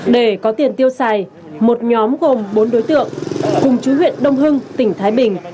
để có tiền tiêu xài một nhóm gồm bốn đối tượng cùng chú huyện đông hưng tỉnh thái bình